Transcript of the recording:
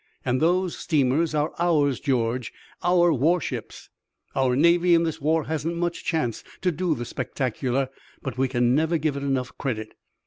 And those steamers are ours, George, our warships. Our navy in this war hasn't much chance to do the spectacular, but we can never give it enough credit."